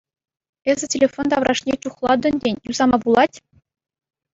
Эсӗ телефон таврашне чухлатӑн, тен, юсама пулать?